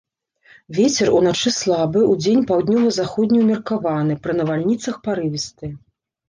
Вецер уначы слабы, удзень паўднёва-заходні умеркаваны, пры навальніцах парывісты.